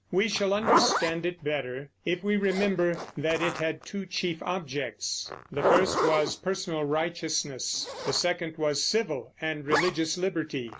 We shall understand it better if we remember that it had two chief objects: the first was personal righteousness; the second was civil and religious liberty.